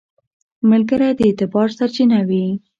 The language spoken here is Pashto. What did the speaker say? ملګری د اعتبار سرچینه وي